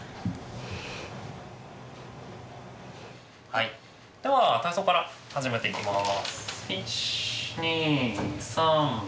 はいでは体操から始めていきます。